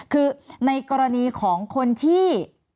คือในกรณีของคนที่